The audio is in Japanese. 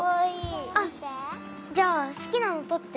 あっじゃあ好きなの取って。